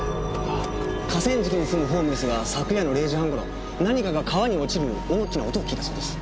河川敷に住むホームレスが昨夜の０時半頃何かが川に落ちる大きな音を聞いたそうです。